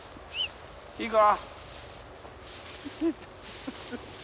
いいか？